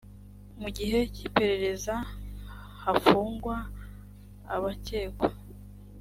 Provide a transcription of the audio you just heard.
mu gihe cyiperereza hafungwa abakekwa